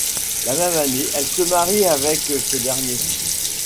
La même année, elle se marie avec ce dernier.